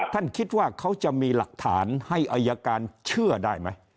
คิดว่าเขาจะมีหลักฐานให้อายการเชื่อได้ไหม